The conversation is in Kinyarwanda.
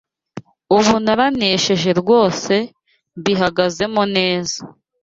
Ubu naranesheje rwose mbihagazemo neza